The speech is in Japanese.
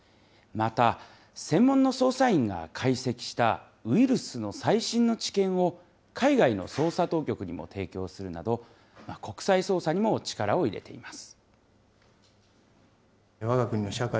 また、専門の捜査員が解析したウイルスの最新の知見を、海外の捜査当局にも提供するなど、国際捜査にも力を入れています。